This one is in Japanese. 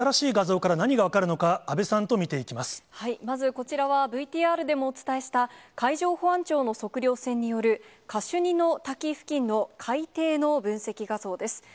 では、ここからは、きのう、海上保安庁が公開した新しい画像から何が分かるのか、安倍さんとまずこちらは、ＶＴＲでもお伝えした、海上保安庁の測量船による、カシュニの滝付近の海底の分析画像です。